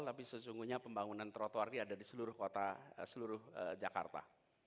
tapi sesungguhnya pembangunan trotoar ini ada di seluruh jakarta